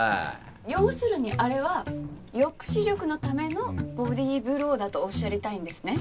要するにあれは抑止力のためのボディーブローだとおっしゃりたいんですね？